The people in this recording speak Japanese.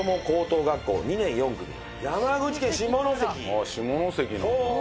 ああ下関なんだ。